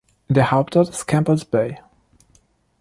Der Hauptort ist Campbell's Bay.